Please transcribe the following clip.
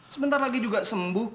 sebentar lagi juga sembuh